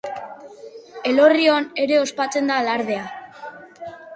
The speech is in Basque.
Elorrion ere ospatzen da alardea.